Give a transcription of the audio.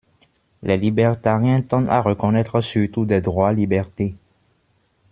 Les libertariens tendent à reconnaître surtout des droits-liberté.